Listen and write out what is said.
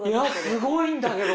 すごいんだけど。